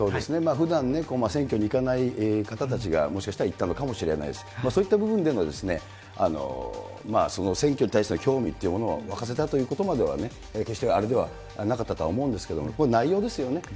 ふだんね、選挙に行かない方たちがもしかしたら行ったのかもしれないし、そういった部分でのその選挙に対する興味というものを湧かせたということは決してあれではなかったと思うんですけれども、内容ですよね。